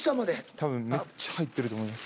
多分めっちゃ入ってると思います。